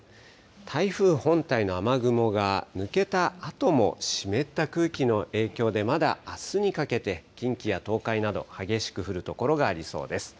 台風本体の雨雲が抜けたあとも湿った空気の影響で、まだあすにかけて、近畿や東海など、激しく降る所がありそうです。